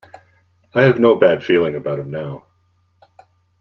I have no bad feeling about him now.